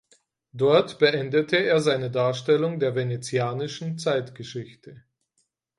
Dort beendete er seine Darstellung der venezianischen Zeitgeschichte.